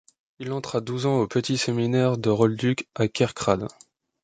Il entre à douze ans au petit séminaire de Rolduc à Kerkrade.